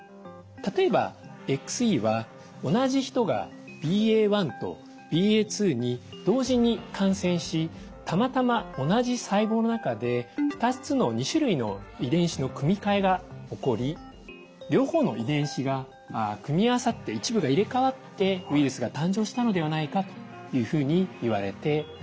例えばＸＥは同じ人がＢＡ．１とＢＡ．２に同時に感染したまたま同じ細胞の中で２つの２種類の遺伝子の組み替えが起こり両方の遺伝子が組み合わさって一部が入れ替わってウイルスが誕生したのではないかというふうにいわれています。